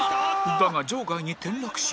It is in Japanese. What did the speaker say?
だが場外に転落し